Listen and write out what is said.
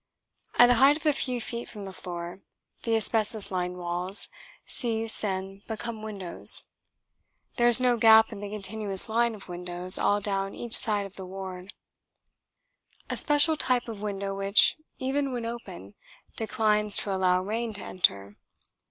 At a height of a few feet from the floor, the asbestos lined walls cease and become windows. There is no gap in the continuous line of windows all down each side of the ward a special type of window which, even when open, declines to allow rain to enter.